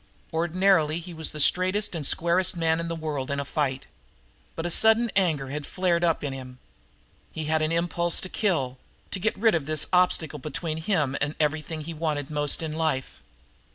Ordinarily he was the straightest and the squarest man in the world in a fight. But a sudden anger had flared up in him. He had an impulse to kill; to get rid of this obstacle between him and everything he wanted most in life.